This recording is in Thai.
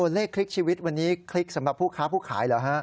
เลขคลิกชีวิตวันนี้คลิกสำหรับผู้ค้าผู้ขายเหรอฮะ